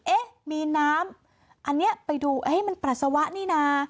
เอ๊ะมีน้ำอันนี้ไปดูมันปัสสาวะนี่นะ